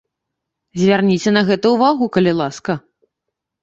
Звярніце на гэта ўвагу, калі ласка.